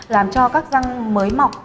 làm cho các răng mới mọc